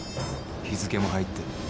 日付も入ってる。